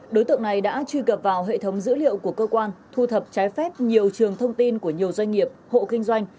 đối tượng này đã truy cập vào hệ thống dữ liệu của cơ quan thu thập trái phép nhiều trường thông tin của nhiều doanh nghiệp hộ kinh doanh